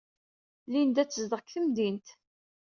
Linda ad tezdeɣ deg temdint.